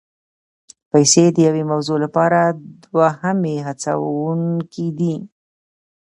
پیسې د یوې موضوع لپاره دوهمي هڅوونکي دي.